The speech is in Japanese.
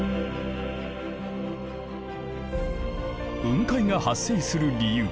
雲海が発生する理由